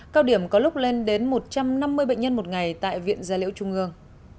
cao điểm có lúc lên đến một trăm năm mươi bệnh nhân một ngày tại viện gia liễu trung ương